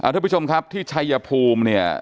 ทุกผู้ชมครับที่ชัยภูมิ